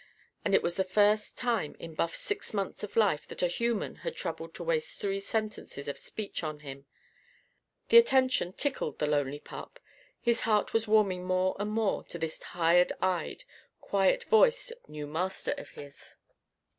And it was the first time in Buff's six months of life that a human had troubled to waste three sentences of speech on him. The attention tickled the lonely pup. His heart was warming more and more to this tired eyed, quiet voiced new master of his.